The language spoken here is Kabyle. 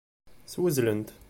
Swezlen-t.